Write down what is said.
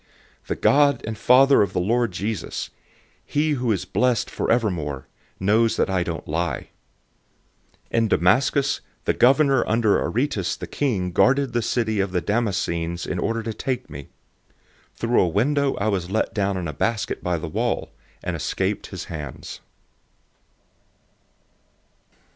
011:031 The God and Father of the Lord Jesus Christ, he who is blessed forevermore, knows that I don't lie. 011:032 In Damascus the governor under Aretas the king guarded the city of the Damascenes desiring to arrest me. 011:033 Through a window I was let down in a basket by the wall, and escaped his hands.